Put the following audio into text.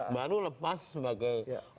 baru lepas sebagai lapas